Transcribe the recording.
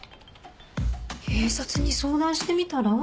警察に相談してみたら？